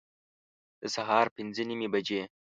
د سهار پنځه نیمي بجي